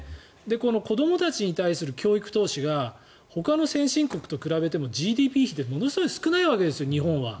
この子どもたちに対する教育投資がほかの先進国と比べてもＧＤＰ比で比べると少ないわけですよ、日本は。